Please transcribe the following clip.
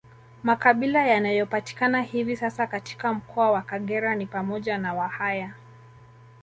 Makabila yanayopatikana hivi sasa katika mkoa wa Kagera ni pamoja na Wahaya